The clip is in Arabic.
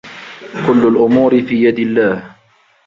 كلّ الأمور في يد الله.